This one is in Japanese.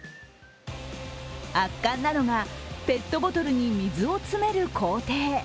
圧巻なのが、ペットボトルに水を詰める工程。